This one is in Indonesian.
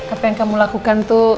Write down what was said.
apa yang kamu lakukan tuh